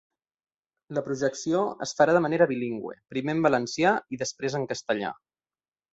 La projecció es farà de manera bilingüe, primer en valencià i després en castellà.